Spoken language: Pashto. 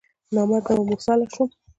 نامراده وم، وصال شوم